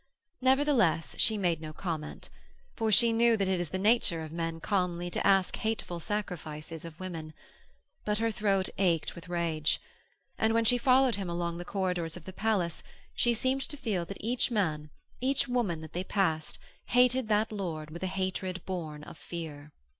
Nevertheless, she made no comment. For she knew that it is the nature of men calmly to ask hateful sacrifices of women. But her throat ached with rage. And when she followed him along the corridors of the palace she seemed to feel that each man, each woman that they passed hated that lord with a hatred born of fear.